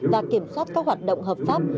và kiểm soát các hoạt động hợp pháp